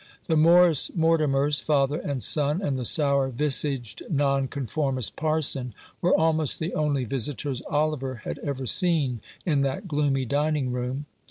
The Morris Mortimers, father and son, and the sour visaged Nonconformist parson, were almost the only visitors Oliver had ever seen in that gloomy dining room.